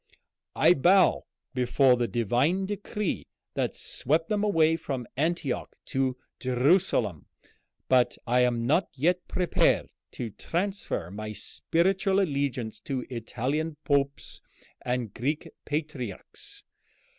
I bow before the divine decree that swept them away from Antioch to Jerusalem, but I am not yet prepared to transfer my spiritual allegiance to Italian popes and Greek patriarchs.